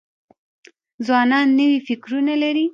ځوانان نوي فکرونه لري.